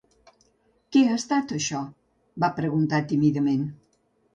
Què ha estat això?, va preguntar tímidament.